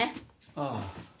ああ。